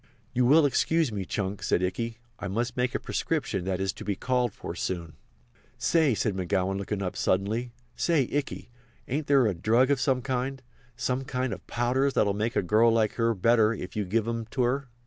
"You will excuse me, Chunk," said Ikey. "I must make a prescription that is to be called for soon." "Say," said McGowan, looking up suddenly, "say, Ikey, ain't there a drug of some kind—some kind of powders that'll make a girl like you better if you give 'em to her?"